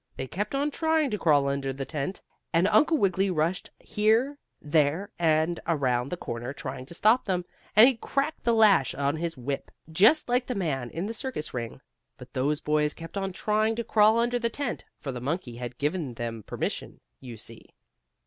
They kept on trying to crawl under the tent, and Uncle Wiggily rushed here, there and around the corner trying to stop them, and he cracked the lash on his whip, just like the man in the circus ring. But those boys kept on trying to crawl under the tent, for the monkey had given them permission, you see.